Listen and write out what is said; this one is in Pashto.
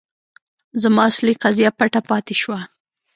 زما اصلي قضیه پټه پاتې شوه.